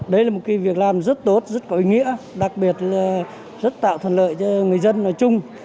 đây là một việc làm rất tốt rất có ý nghĩa đặc biệt là rất tạo thuận lợi cho người dân nói chung